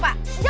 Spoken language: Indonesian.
mbak mbak mbak